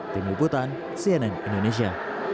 tim liputan cnn indonesia